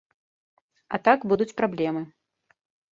А так будуць праблемы.